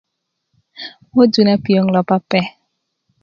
moju na piöŋ lo pape